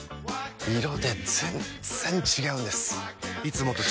色で全然違うんです！